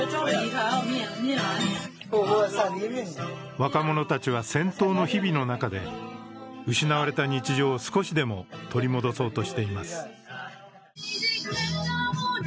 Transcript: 若者たちは戦闘の日々の中で失われた日常を少しでも取り戻そうとしています。